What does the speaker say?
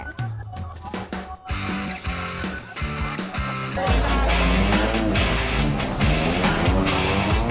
peserta yang datang menerima pembawa mobil yang terbaik